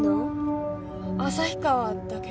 旭川だけど。